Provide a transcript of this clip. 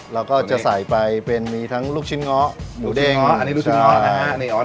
เราก็จะใส่ไปเป็นมีทั้งลูกชิ้นง้อหมูเด้งลูกชิ้นง้ออันนี้ลูกชิ้นง้อนะฮะ